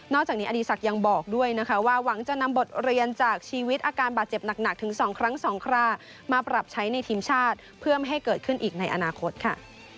จากนี้อดีศักดิ์ยังบอกด้วยนะคะว่าหวังจะนำบทเรียนจากชีวิตอาการบาดเจ็บหนักถึง๒ครั้ง๒ครามาปรับใช้ในทีมชาติเพื่อไม่ให้เกิดขึ้นอีกในอนาคตค่ะ